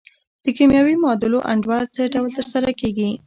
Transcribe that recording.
د کیمیاوي معادلو انډول څه ډول تر سره کیږي؟